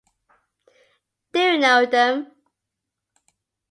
Do you know them?